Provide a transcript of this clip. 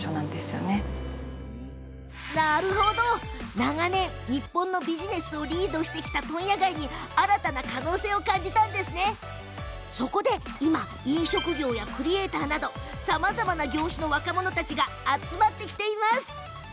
長年、日本のビジネスをリードしてきた問屋街に新たな可能性を感じて今、飲食業やクリエーターなどさまざまな業種の若者たちが集まってきてるんです。